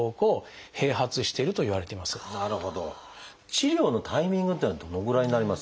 治療のタイミングっていうのはどのぐらいになりますでしょう？